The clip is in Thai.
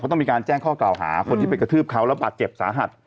ต้องมีการแจ้งข้อกล่าวหาคนที่ไปกระทืบเขาแล้วบาดเจ็บสาหัส